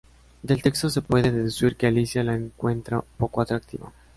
Del texto se puede deducir que Alicia la encuentra poco atractiva.